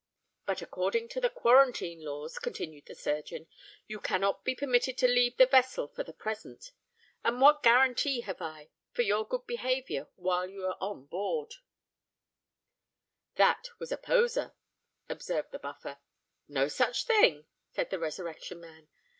'But, according to the quarantine laws,' continued the surgeon, '_you cannot be permitted to leave the vessel for the present; and what guarantee have I for your good behaviour while you are on board_?'" "That was a poser," observed the Buffer. "No such thing," said the Resurrection Man.